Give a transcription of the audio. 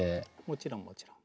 もちろんもちろん。